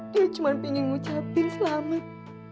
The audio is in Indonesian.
dia cuma ingin ngucapin selamat